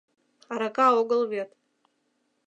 Арака огыл вет.